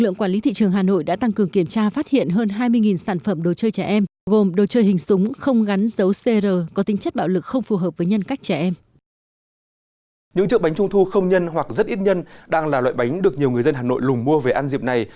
những trượng bánh trung thu không nhân hoặc rất ít nhân đang là loại bánh được nhiều người dân hà nội lùng mua về ăn dịp này